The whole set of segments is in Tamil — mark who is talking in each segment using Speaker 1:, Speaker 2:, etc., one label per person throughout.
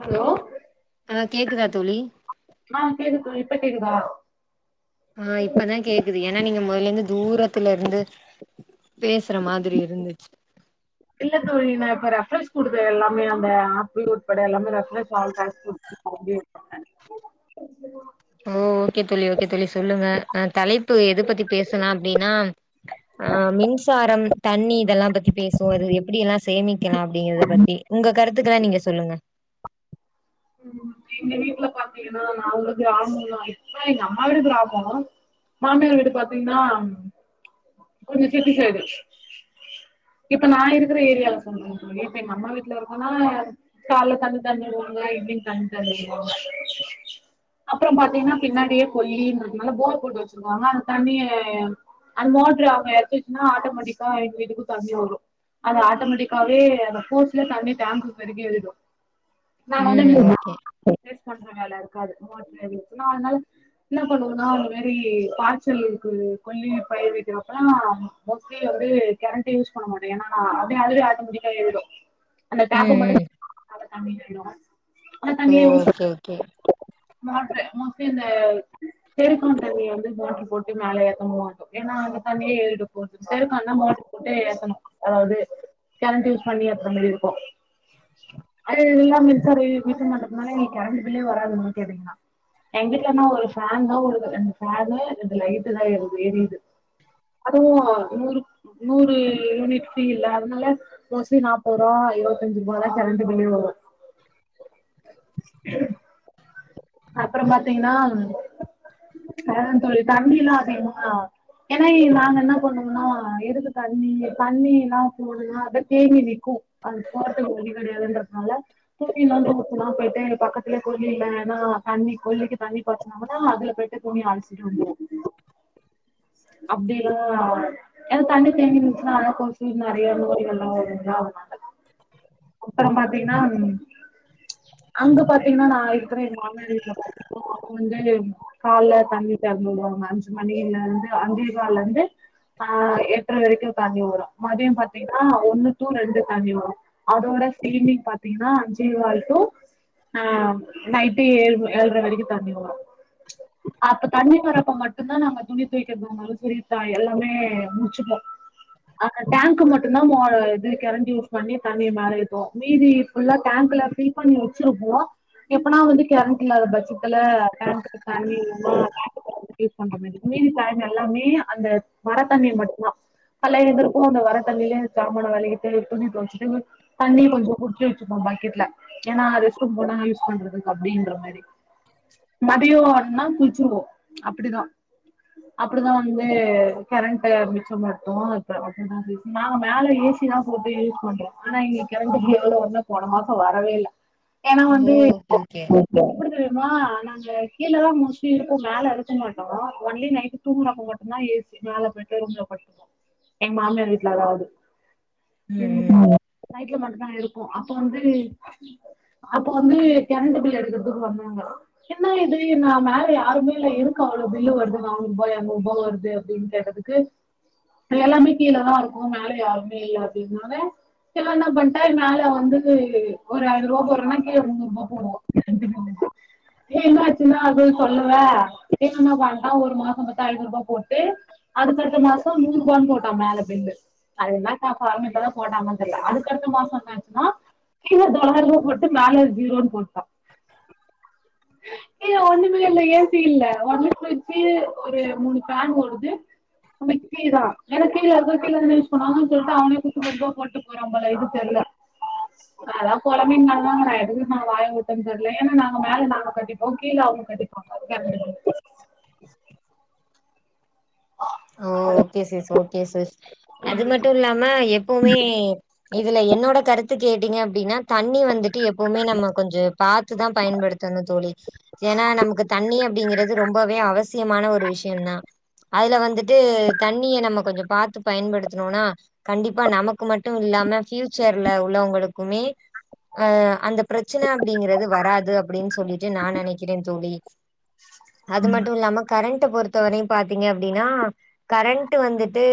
Speaker 1: ஹலோ
Speaker 2: ஆஹ் கேக்குதா தோழி
Speaker 1: ஆ கேக்குது தோழி இப்ப கேக்குதா
Speaker 2: ஆஹ் இப்பதான் கேக்குது ஏன்னா நீங்க முதலந்து தூரத்துல இருந்து பேசுற மாதிரி இருந்துச்சு
Speaker 1: ரெஃப்ரஸ் கொடுத்த எல்லாமே அந்த ஆப் உட்பட எல்லாமே ரெஃப்ரஸ்
Speaker 2: ஓ ஓகே தோழி ஓகே தோழி சொல்லுங்க தலைப்பு எது பத்தி பேசலா அப்படின்னா ஆஹ் மின்சாரம் தண்ணி இதெல்லாம் பத்தி பேசுவோம் அது எப்படி எல்லாம் சேமி சேமிக்கலாம் அப்படிங்கறத பத்தி உங்க கருத்து த்துக்கலாம் நீங்க சொல்லுங்க
Speaker 1: எங்க வீட்டுல பாத்தீங்கன்னா நான் கிராமம் இப்ப எங்க அம்மா வீடு கிராமம் மாமியார் வீடு பாத்தீங்கன்னா கொஞ்சம் சிட்டி சைடு இப்ப நான் இருக்கிற ஏரியால சொல்றேன் இப்ப எங்க அம்மா வீட்டுல இருக்கன்னா காலைல தண்ணி தெறந்து விடுவாங்க ண்ண த அப்புறம் பாத்தீங்கன்னா பின்னாடியே கொல்லின்றதனால போர் போட்டு வச்சிருக்காங்க அந்த தண்ணி அந்த மோட்டரு அவங்க எடுத்துசுன்னா ஆட்டோமேட்டிக்கா எங்க வீட்டுக்கும் தண்ணி வரும் அது ஆட்டோமேட்டிக்காவே போர்ஸ்ல தண்ணி டேங்க் பெருகி
Speaker 2: உம் ஓகே
Speaker 1: பண்ற வேலை இருக்காது மோ அதனால என்ன பண்ணுவோன்னா அந்த மாரி பாய்ச்சல்க்கு கொல்லி பயிர் வைக்கிறப்பல்லாம் மோஸ்ட்லி வந்து கேரண்டு யூஸ் பண்ண மாட்டேம் ஏன்னா அது அதுவே ஆட்டோமேடிகா ஏறிடும் அந்த டேப்
Speaker 2: ம்
Speaker 1: மட்ட
Speaker 2: ம்
Speaker 1: [unintelligible]
Speaker 2: ஓகே ஓகே
Speaker 1: மோட்ரு மோஸ்ட்லி இந்த தெருக்கான் தண்ணிய வந்து மோட்ரு போட்டு மேல ஏத்துவோம் ஏன்னா அந்த தண்ணியே ஏறிட்டு போ செருக்கான்னா மோட்ரு போட்டு ஏத்தணும் அதாவது கேரண்ட் யூஸ் பண்ணி ஏத்தற மாதிரி இருக்கும் அது எல்லாமே சரி வீச்ச மாட்டதுனால நீங்க கரண்ட் பில்லே வராதுன்னு கேட்டீங்கன்னா எங்க வீட்லன்னா ஒரு பேன் தான்ஓடுது அந்த பேனு ரெண்டு லைட்டு தான் ஏரியது அதுவும் நூறு நூறு யூனிட் இல்லாத அதனால மோஸ்ட்லி நாப்பது ரூபா இருபத்தஞ்சு ரூபா தான் கரண்ட் பில்லே வரும் [inaudible] அப்புறம் பாத்தீங்கன்னா வேரன்ன தோழி தண்ணி ஏன்னா நாங்க என்ன பண்ணோம்னா எதுக்கு தண்ணி தண்ணி எல்லாம் போணுன்னா அத தேங்கி நிற்கும் அது போறதுக்கு வழி கிடையாதுன்றதுனால சுத்தி எல்லாம் போயிட்டு பக்கத்துல குழிலனா தண்ணி கோழிக்கு தண்ணி பாச்சுனாங்களா அதுல போயிட்டு துணி அலசிட்டு வந்துருவோ அப்டில்லாம் ஆஹ் தண்ணி தேங்கி நின்னுச்சுன்னா அதுல கொசு நெறைய நோயிகள்ல்லா வரு இல்லயா அதுக்காக அப்புறம் பாத்தீங்கன்னா ச் அங்க பாத்தீங்கன்னா நான் இருக்கற எங்க மாமியாரு வந்து காலேல தண்ணி தெறந்து விடுவாங்க அஞ்சு மணில இருந்து அஞ்சே கால்ல இருந்து ஆஹ் எட்டரை வரைக்கும் தண்ணி வரும் மதியம் பாத்தீங்கன்னா ஒன்னு டூ ரெண்டு தண்ணி வரும் அதோட ஈவ்னிங் பாத்தீங்கன்னா அஞ்சே கால் டூ ஆஹ் நைட்டு ஏழு ம ஏழ்ர வரைக்கும் தண்ணி வரும் ச் அப்ப தண்ணி வரப்ப மட்டும் தான் நாங்க துணி துவைக்கறதுனாலும் சரி ட எல்லாமே முச்சுப்போம் ஆ க டேங்க்கு மட்டும் தான் மோ இது கரண்ட் யூஸ் பண்ணி தண்ணிய மேலஇழுப்போம் மீதிஃபுல்லா டேங்க்ல ஃபில் பண்ணி வச்சிருப்போம் எப்பனா வந்து கரண்ட் இல்லாத பச்சத்துல டேங்க்குக்கு தண்ணி உன்னோ யூஸ் பண்ற மாரி மீதி பாதி நாள்ள எல்லாமே அந்த வர தண்ணி மட்டும்தான் கால்ல எந்திரிப்போம் அந்த வர தண்ணியிலேய ஜாமான வெளகிட்டு துணி தொவச்சுட்டு தண்ணி கொஞ்சம் புடுச்சு வச்சுப்போம் பக்கெட்ல ஏன்னா அது ரெஸ்ட் ரூம் போன யூஸ் பண்றது அப்டின்ற மாரி மதியோ அப்டினா குளிச்சுடுவோம் அப்டிதான் அப்டிதான் வந்து கரண்ட மிச்சம் படுத்துவோ அதான் [unintelligible] நாங்க மேல ஏ சி தான் போட்டு யூஸ் பண்றோம் ஏன்னா கரண்ட்டுக்கு எவ்ளோ வருனா போன மாசம் வரவே இல்ல ஏன்னா
Speaker 2: ஓ
Speaker 1: வந்து
Speaker 2: ஓகே ஓகே
Speaker 1: [inaudible] எப்டி தெரியுமா நாங்க கீழதான் மோஸ்ட்லி இருப்போ மேல இருக்க மாட்டோம் ஒன்லி நைட் தூங்குறப்ப மட்டுதான் ஏ சி மேல பெட்டு் ரூம்ல படுத்துபோம் எங்க மாமியார் வீட்ல அதாவது
Speaker 2: உம் உம்
Speaker 1: வீட்ல மட்டும் தான் இருக்கும் அப்ப வந்து அப்ப வந்து கரண்டு பில் எடுக்க றதுக்கு வந்தாங்க என்னா இது நான் மேல யாருமே இல்ல இருக்கு அவ்ளோ பில்லு வருது நானூர் ரூபா இரனூர் ரூபா வருது அப்டின் கேட்டதுக்கு எல்லாமே கீழதான் இருக்கோம் மேல யாருமே இல்ல அப்டின்னாலே இவர் என்னா பண்ட்டாரு மேல வந்து ஒரு ஐநூரூபா போடுறோன்னா கீழ முன்நூறு ரூபா போடுவோ ஏ என்னாச்சுன்னா அது சொல்லுவ என்னான்ன வந்தா ஒரு மாசம் பத்தி ஐநூறு ரூபாய் போட்டு அதுக்கடுத்த மாசம் நூறு ரூபானு போட்டான் மேல பில்லு அது என்ன கா காரணப்பதான் போட்டானோ தெர்ல அதுக்கடுத்த மாசம் என்னாச்சுன்னா கீழ தொள்ளாயிரம் ரூபானு போட்டு மேல ஜீரோன்னு போட்டான் ஏ ஒன்னுமே இல்ல ஏ சீ இல்ல ஒன்லீ ஃபிரிஜ்ஜு ஒரு மூணு பேன் ஓடுது [unintelligible] தான் ஏன்னா கீழ இருக்கோ கீழ இருக்குனு சொன்னாங்கன்னு சொல்ட்டு அவனே குத்து மதிப்பா போட்டு போறாம்போல இது தெர்ல அதான் பொலம்பிற்தாங்க நா எதுவு நா வாய உட் [unintelligible] தெர்ல ஏன்னா நாங்க மேல நாங்க கட்டிப்போம் கீழே அவுங்க கட்டிப்பாங்க கரண்டு பில்
Speaker 2: ஓ ஓகே சிஸ் ஓகே சிஸ் அது
Speaker 1: பில்.
Speaker 2: மட்டு இல்லாம எப்பவுமே இதுல என்னோட கருத் து கேட்டீங்க அப்டின்னா தண்ணி வந்துட்டு எப்பவுமே நம்ம கொஞ்சம் பாத்துதான் பயன்படுத்தணும் தோழி ஏன்னா நமக்கு தண்ணி அப்டிங்கறது ரொம்பவே அவச சியமான ஒரு விஷயம் தான் அதுல வந்துட் டு தண்ணிய நம்ம கொஞ்ச பாத்து பயன்படுத்துனோனா கண்டிப்பா நமக்கு மட்டும் இல்லாம பஃபியூச்சர்ல உள்ளவங்களுக்குமே அஹ் அந்த பிரச்சனை அப்டிங்கறது வராது அப்டின்னு சொல்லிட்டு நான் நெனைக்கிறேன் தோழி அது மட்டும் இல்லாம கரண்ட் டு பொறுத்தவரையும் பாத்தீங்க அப்டின்னா கரண்ட் வந்துட்டு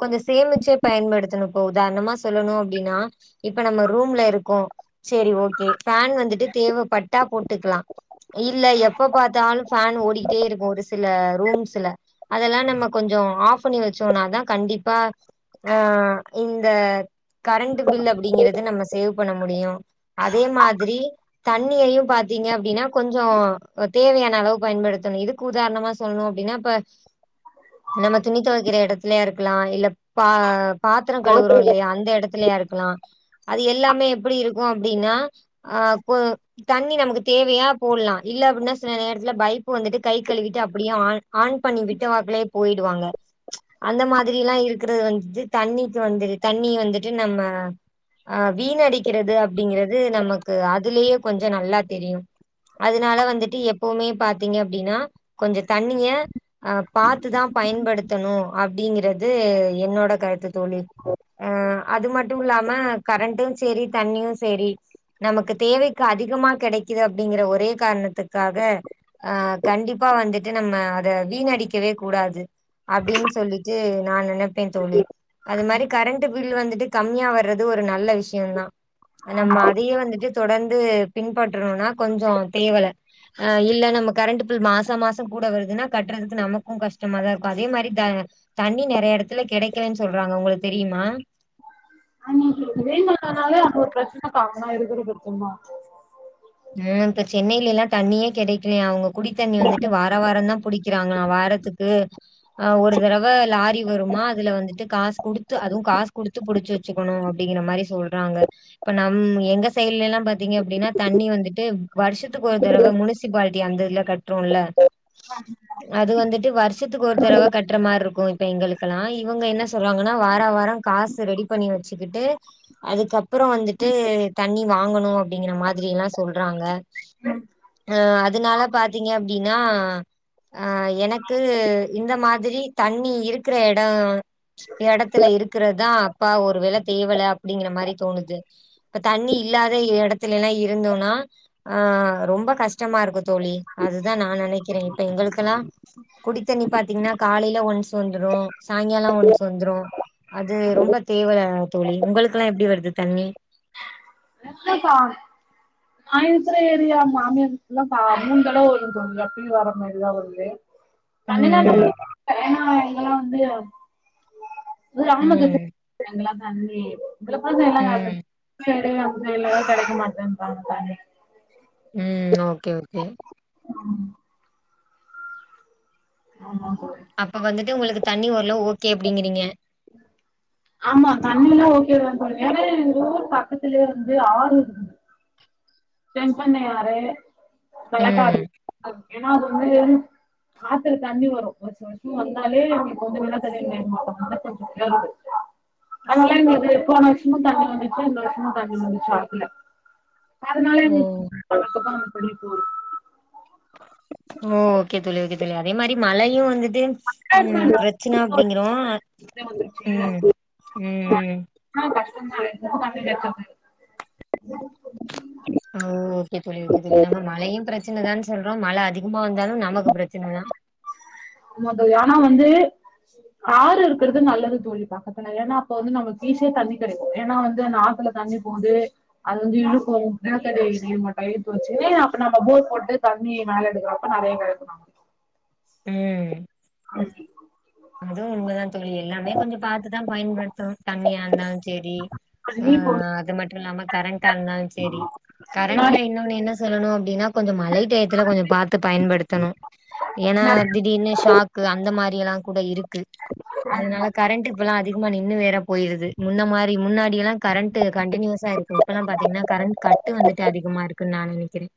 Speaker 2: கொஞ்ச சேமிச்சே பயன்படுத்தணும் இப்போ உதாரணமா சொல்லணும் அப்டின்னா இப்ப நம்ம ரூம்ல இருக்கோ சரி ஓகே ஃபேன் வந்துட்டு தேவப்பட்டா போட்டுக்கலாம் இல்ல எப்ப பாத்தாலும் ஃபோன் ஓடிட்டே இருக்கும் ஒரு சில ரூம்ஸ்ல அதெல்லாம் நம்ம கொஞ்சம் ஆஃப் பண்ணி வச்சோம்னாதான் கண்டிப்பா ஆஹ் இந்த கரண்ட் பில் அப்டிங்கறது நம்ம சேவ் பண்ண முடியும் அதே மாதிரி தண்ணியையும் பாத்தீங்க அப்டின்னா கொஞ்சோ தேவையான அளவு பயன்படுத்தணும் இதுக்கு உதாரணமா சொல்லணும் அப்டின்னா இப்ப நம்ம துணி துவைக்கிற இடத்துலயே இருக்கலாம் இல்ல பா பாத்திரம் கழுவுறோ இல்லயா அந்த இடத் லயா இருக்கலாம் அது எல்லாமே எப்டி இருக்கும் அப்டின்னா அஹ் பொ தண்ணி நமக்கு தேவையா போட்லாம் இல்ல அப்டின்னா சில நேரத்துல பைப்பு வந்துட்டு கை கழுவிட்டு அப்டியே ஆன் ஆன் பண்ணி விட்டு அப்லே போயிடுவாங்க ச் அந்த மாதிரில்லா இருக்கறது வந்துட்டு தண்ணிக்கு வந்துட்டு தண்ணி வந்துட்டு நம்ம ஆஹ் வீணடிக்கிறது அப்டிங்கறது நமக்கு அதுலயே கொஞ்ச நல்லா தெரியும் அதுனால வந்துட்டு எப்பவுமே பாத்தீங்க அப்டின்னா கொஞ்ச தண்ணிய அஹ் பாத் து தான் பயன்படுத்தணும் அப்டிங்கறது என்னோட கருத்து தோழி அஹ் அது மட்டும் இல்லாம கரண்ட்டும் சரி தண்ணியும் சரி நமக்கு தேவைக்கு அதிகமா கெடைக்குது அப்டிங்கிற ஒரே காரணத்துக்காக ஆஹ் கண்டிப்பா வந்துட்டு நம்ம அத வீணடிக்கவே கூடாது அப்டின்னு சொல்லிட்டு நான் நெனைப்பேன் தோழி அது மாதிரி கரண்ட் பில் வந்துட்டு கம்மியா வர்றது ஒரு நல்ல விஷயம்தான்
Speaker 1: ஆமா
Speaker 2: நம்ம அதயே வந்துட்டு தொடர்ந்து பின்பற்றணும்னா கொஞ்ச தேவலை ஆஹ் இல்ல நம்ம கரண்ட் பில் மாசம் மாசம் கூட வருதுன்னா கட்டுறதுக்கு நமக்கும் கஷ் கஷ்டமாதான் இருக்கும் அதே மாதிரி த தண்ணி நெறைய இடத்துல கெடைக்கலன்னு சொல்றாங்க உங்களுக்கு தெரியுமா
Speaker 1: வெயில் வந்தானாலே அது ஒரு பிரச்சன [unintelligible] இருக்கறது சும்மா
Speaker 2: ஆஹ் இப்ப சென்னையிலேலா தண்ணியே கெடைக்கலயாம் அவுங்க குடித்தண்ணி வந்துட்டு வாரோ வாரோ தான் புடிக்கிறாங்களா வாரத்துக்கு ஆஹ் ஒரு தடவை லாரி வருமா அதுல வந்துட்டு காசு குடுத்து அதுவும் காசு குடுத்து புடிச்சு வச்சுக்கணும் அப்டிங்கிற மாரி சொல்றாங்க இப்ப நம் எங்க சைடுலேலா பாத்தீங்க அப்டின்னா தண்ணி வந்து துட்டு வருஷத்துக்கு ஒரு தடவ முனிசிபாலிட்டி அந்த இதுல கட்றோல அது வந்துட்டு வருஷத்துக்கு ஒரு தடவ கட்ற மாரிருக்கும் இப்ப எங்களுக்கலாம் இவுங்க என்ன சொல்றாங்கன்னா வாரோ வாரோ காசு ரெடி பண்ணி வச்சுக்கிட்டு அதுக்கப்புறம் வந்துட்டு தண்ணி வாங்கணும் அப்டிங்கற மாதிரிலா சொல்றாங்க அஹ் அதுனால பாத்தீங்க அப்டின்னா ஆஹ் எனக்கு இந்த மாதிரி தண்ணி இருக்கிற இடம் இடத்துல இருக்கறதான் அப்பா ஒரு வேளை தேவல அப்டிங்கிற மாதிரி தோணுது இப்ப தண்ணி இல்லாத இடத்துல எல்லாம் இருந்தோம் னா ஆஹ் ரொம்ப கஷ்டமா இருக்கும் தோழி அதுதான் நான் நெனைக்கிறேன் இப்ப எங்களுக்கெல்லாம் குடித்தண்ணி பாத்தீங்கன்னா காலேல ஒன்ஸ் வந்துரு சாங்காலம் ஒன்ஸ் வந்துரும் அது ரொம்ப தேவல தோழி உங்களுக்கல்லாம் எப்டி வருது தண்ணி
Speaker 1: இல்லப்பா நா இருக்குற ஏரியா மாமியார் வீட்ல பா முடுஞ்சலவு [unintelligible] வர மாரிதான் வருது [unintelligible]
Speaker 2: ம்
Speaker 1: ஆஹ் இங்கல்லாம் வந்து
Speaker 2: ம்
Speaker 1: கிராமத்து
Speaker 2: ம்
Speaker 1: [unintelligible] தண்ணி இதுல [unintelligible] நல்லது
Speaker 2: ம்
Speaker 1: [unintelligible] மு எல்லே கெடைக்க மாட்டேனுறாங்க தானே
Speaker 2: உம் ஓகே ஓகே
Speaker 1: உம் ஆமா தோழி
Speaker 2: அப்ப வந்துட்டு உங்களுக்கு தண்ணி ஓகே அப்படிங்கிறீங்க
Speaker 1: ஆமா தண்ணில ஓகே வேற ரரு பக்கத்துலயே வந்து ஆறு இருக்கு தென்பண்ணையாறு
Speaker 2: ம்
Speaker 1: மெளகாறு ஏன்னா அது வந்து ஆத்துல தண்ணி வரு வருஷொ வருஷொ வந்தாலே [unintelligible] போன வருஷமு தண்ணி வந்துச்சு இந்த வருஷமு தண்ணி வந்துச்சு ஆத்துல அதனால
Speaker 2: ம்
Speaker 1: [unintelligible]
Speaker 2: ஓ ஓகே தோழி ஓகே தோழி அதே மாரி மழையு வந்து து
Speaker 1: முன்னாடி
Speaker 2: உம் பிரச்சன அப்படிங்கறோ
Speaker 1: தான் வந்துச்சு
Speaker 2: உம் உம் உம்
Speaker 1: [unintelligible]
Speaker 2: ஆஹ் ஓகே தோழி ஓகே தோழி நம்ம மழையு பிரச்சனதான்னு சொல்றோ மழ அதிகமா வந்தாலு நமக்கு பிரச்சனதா
Speaker 1: ஆமாந் தோழி ஆனா வந்து ஆறு இருக்கறது நல்லது தோழி பக்கத்துல ஏன்னா அப்ப வந்து நமக்கு ஈஸியா தண்ணி கெடைக்கு ஏனா வந்து ஆத்துல தண்ணி போகுது அது வந்து இழுக்கு நிலத்தடி நீர் மட்டொ இழுத்து வச்சு அப்ப நம்ம போர் போட்டு தண்ணி மேல எடுக்கிறப்ப நெறைய கெடைக்கு நமக்கு
Speaker 2: உம் அதுவு உண்மதா தோழி எல்லாமே கொஞ்சொ பாத்துதா பயன்படுத்தனு தண்ணியா இருந்தாலுஞ் செரி
Speaker 1: நமக்கு இப்போ
Speaker 2: ஆஹ் அது மட்டு இல்லாம கரண்டா இருந்தாலு செரி கரண்ட்ல
Speaker 1: நெறைய
Speaker 2: இன்னோன்னு என்ன சொல்லணு அப்டீனா கொஞ்ச மழை டயத்துல கொஞ்ச பாத்து பயன்படுத்தணு ஏனா
Speaker 1: நெறைய
Speaker 2: திடீர்னு ஷாக்கு அந்த மாரி எல்லா கூட இருக் கு அதனால கரண்ட் இப்பல்லா அதிகமா நின்னு வேற போயிருது முன்ன மாரி முன்னாடியெல்லா கரண்ட் கண்டனியூஸா இருக்கு இப்பெல்லா பாத்தீங்கன்னா கரண்ட் கட்டு வந்துட்டு அதிகமா இருக்குன்னு நா நெனைக்கிறே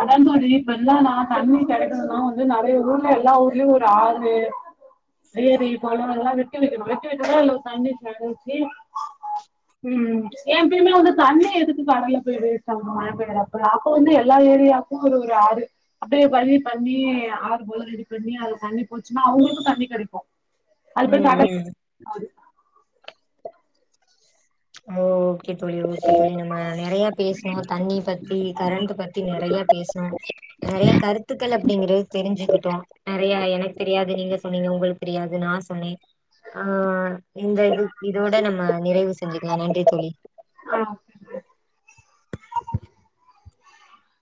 Speaker 1: அதாது ஒரு இப்பெல்லா நா தண்ணி கெடைக்கணுனா வந்து நெறைய ஊர்ல எல்லா ஊர்லயு ஒரு ஆறு ஏரி குள எல்லா வெட்டி வெக்கணு வெட்டி வெச்சாதா அல்ல ஒரு தண்ணி கடைச்சு உஹம் எப்பயுமே வந்து தண்ணி எதுக்கு கடல்ல போய் வேஸ்டாகு மழ பெயறப்ப அப்பொ வந்து எல்லா ஏரியாக்கு ஒரு ஒரு ஆறு அப்படியே பண்ணி பண்ணி ஆறு போல ரெடி பண்ணி அதுல தண்ணி போச்சுன்னா அவங்களுக்கு தண்ணி கெடைக்கு அது போய்
Speaker 2: ம்
Speaker 1: கடல்
Speaker 2: ம் ஓ ஓகே தோழி ஓகே தோழி நம்ம நெறைய பேசுனோ தண்ணி பத்தி கரண்ட் பத்தி நெறைய பேசுனோ நெறைய கருத்துக்கள் அப்படிங்கறது தெரிஞ்சுக்கிட்டோ நெறைய எனக்கு தெரியாது நீங்க சொன்னீங்க உங்களுக்கு தெரியாது நா சொ தோழி ஆஹ் இந்த இது இதோட நம்ம நிறைவு செ செஞ்சுக்கலா நன்றி தோழி
Speaker 1: ஆ